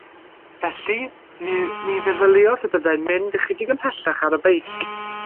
Felly mi feddyliodd y byddai'n mynd ychydig ymhellach ar y beic.